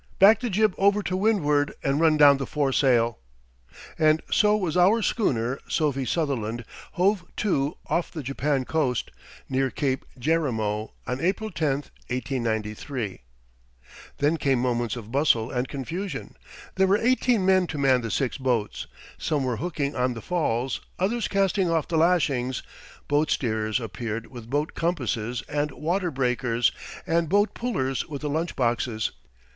Back the jib over to windward and run down the foresail!" And so was our schooner Sophie Sutherland hove to off the Japan coast, near Cape Jerimo, on April 10, 1893. Then came moments of bustle and confusion. There were eighteen men to man the six boats. Some were hooking on the falls, others casting off the lashings; boat steerers appeared with boat compasses and water breakers, and boat pullers with the lunch boxes.